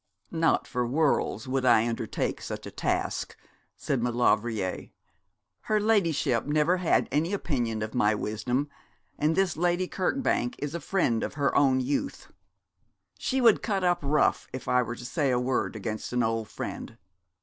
'Not for worlds would I undertake such a task,' said Maulevrier. 'Her ladyship never had any opinion of my wisdom, and this Lady Kirkbank is a friend of her own youth. She would cut up rough if I were to say a word against an old friend.